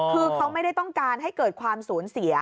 คือเขาไม่ได้ต้องการให้เกิดความสูญเสีย